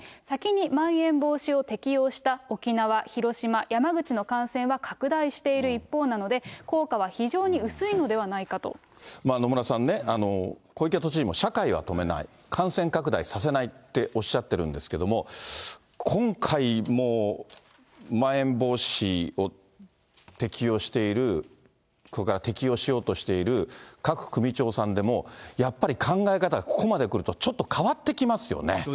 先にまん延防止を適用した沖縄、広島、山口の感染は拡大している一方なので、効果は非常に薄いのではな野村さんね、小池都知事も社会は止めない、感染拡大させないっておっしゃってるんですけども、今回、もうまん延防止を適用している、これから適用しようとしている各首長さんでもやっぱり考え方がここまで来るとちょっと変わってきますよね。